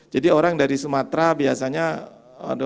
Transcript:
jadi orang dari sumatera biasanya aduh maksudnya